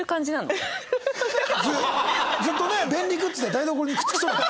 ずっとね便利グッズで台所にくっつきそうな。